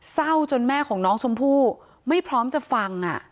จนแม่ของน้องชมพู่ไม่พร้อมจะฟัง